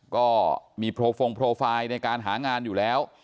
ก็มีโปรฟงโปรไฟล์ในการหางานอยู่แล้ว